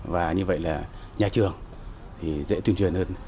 và như vậy là nhà trường thì dễ tuyên truyền hơn